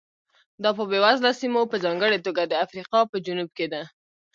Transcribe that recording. دا په بېوزله سیمو په ځانګړې توګه د افریقا په جنوب کې ده.